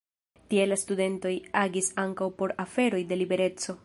Tie la studentoj agis ankaŭ por aferoj de libereco.